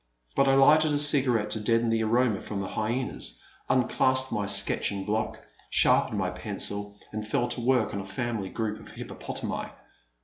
But I lighted a cigarette to deaden the aroma from the hyenas, unclasped my sketching block, sharpened my pencil, and fell to work on a family group of hippopotami.